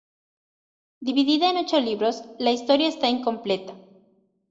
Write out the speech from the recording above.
Dividida en ocho libros, la historia está incompleta.